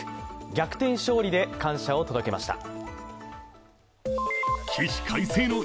逆転勝利で感謝を届けました。